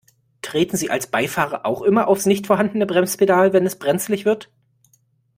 Treten Sie als Beifahrer auch immer aufs nicht vorhandene Bremspedal, wenn es brenzlig wird?